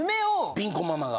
ビンコママが。